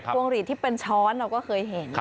วงหลีดที่เป็นช้อนเราก็เคยเห็น